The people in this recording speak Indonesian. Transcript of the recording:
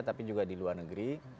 tapi juga di luar negeri